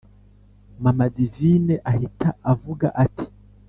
mama divine ahita avuga ati: